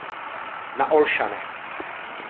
Na Olšanech.